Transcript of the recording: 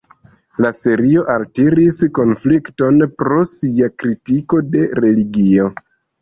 La serio altiris konflikton pro sia kritiko de religio.